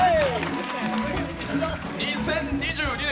２０２２年